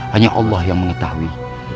hanya allah yang mengetahui